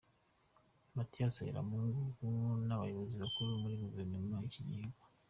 Mathias Harebamungu n’abayobozi bakuru muri guverinoma y’icyo gihugu.